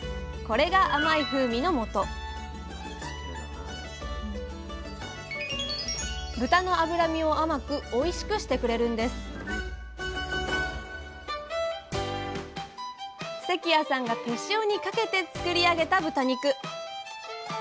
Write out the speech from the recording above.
これが甘い風味のもと豚の脂身を甘くおいしくしてくれるんです関谷さんが手塩にかけて作り上げた豚肉。